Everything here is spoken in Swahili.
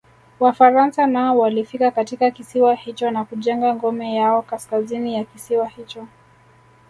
Wafaransa nao walifika katika kisiwa hicho na kujenga ngome yao Kaskazini ya kisiwa hicho